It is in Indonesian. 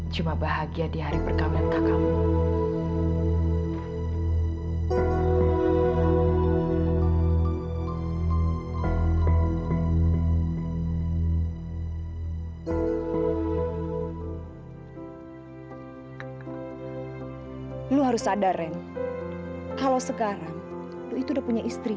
cuma bahagia di hari perkahwinan kakakmu